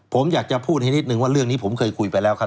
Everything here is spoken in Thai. ผมอยากจะพูดให้นิดนึงว่าเรื่องนี้ผมเคยคุยไปแล้วครับ